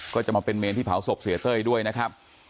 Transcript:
ก็จะมาเป็นเมนที่เผาศพเสียเต้ยด้วยนะครับ